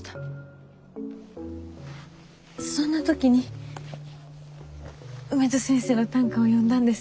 そんな時に梅津先生の短歌を読んだんです。